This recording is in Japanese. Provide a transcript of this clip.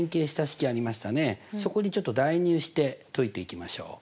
そこにちょっと代入して解いていきましょう。